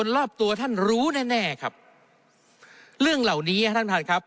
รอบตัวท่านรู้แน่แน่ครับเรื่องเหล่านี้ท่านประธานครับ